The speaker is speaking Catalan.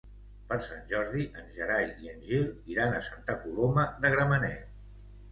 Per Sant Jordi en Gerai i en Gil iran a Santa Coloma de Gramenet.